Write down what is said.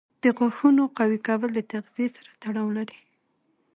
د غاښونو قوي کول د تغذیې سره تړاو لري.